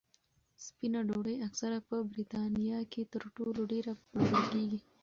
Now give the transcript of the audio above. سپینه ډوډۍ اکثره په بریتانیا کې تر ټولو ډېره پلورل کېږي.